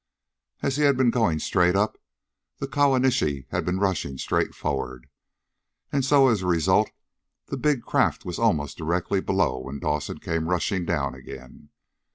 As he had been going straight up, the Kawanishi had been rushing straight forward, and so as a result the big craft was almost directly below when Dawson came rushing down again.